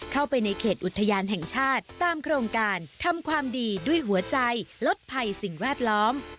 เข้าไปในเขตอุทยานแห่งชาติตามโครงการทำความดีด้วยหัวใจลดภัยสิ่งแวดล้อม